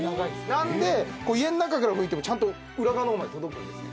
なので家の中から拭いてもちゃんと裏側の方まで届くんですね。